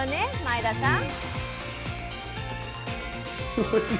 前田さん！